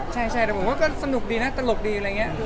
ช่าผมก็บอกเป็นสนุกดีนะตลกดี